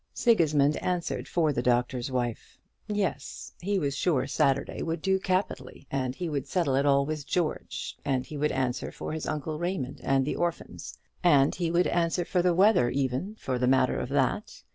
Sigismund answered for the Doctor's Wife. Yes, he was sure Saturday would do capitally. He would settle it all with George, and he would answer for his uncle Raymond and the orphans; and he would answer for the weather even, for the matter of that.